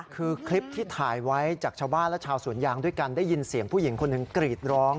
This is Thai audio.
คือคลิปที่ถ่ายไว้จากชาวบ้านและชาวสวนยางด้วยกันได้ยินเสียงผู้หญิงคนหนึ่งกรีดร้อง